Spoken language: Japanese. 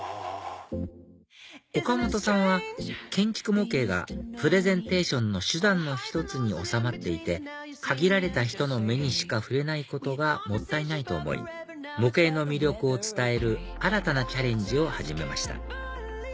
ｏｋａｍｏｔｏさんは建築模型がプレゼンテーションの手段の１つに収まっていて限られた人の目にしか触れないことがもったいないと思い模型の魅力を伝える新たなチャレンジを始めました